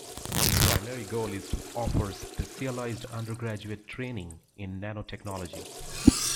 The primary goal is to offer specialized undergraduate training in nanotechnology.